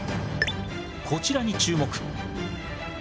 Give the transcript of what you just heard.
こちらに注目。